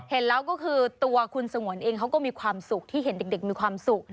เห็นแล้วก็คือตัวคุณสงวนเองเขาก็มีความสุขที่เห็นเด็กมีความสุข